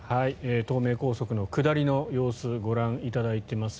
東名高速の下りの様子ご覧いただいています